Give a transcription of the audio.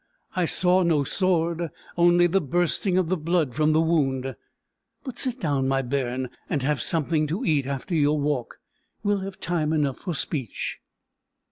I saw no sword, only the bursting of the blood from the wound. But sit down, my bairn, and have something to eat after your walk. We'll have time enough for speech."